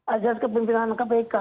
azad kepimpinan kpk